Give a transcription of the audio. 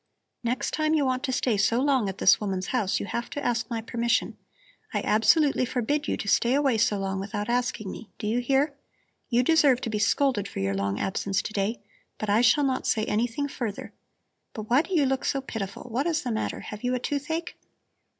"Next time you want to stay so long at this woman's house you have to ask my permission. I absolutely forbid you to stay away so long without asking me, do you hear? You deserve to be scolded for your long absence to day, but I shall not say anything further. But why do you look so pitiful! What is the matter? Have you a toothache?"